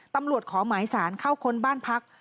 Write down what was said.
ตำรวจขอหมายสารเข้าค้นบ้านพัก